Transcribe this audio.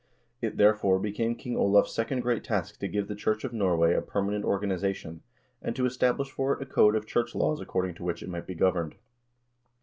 It, therefore, became King Olav's second great task to give the Church of Norway a permanent organization, and to establish for it a code of church laws according to which it might be governed.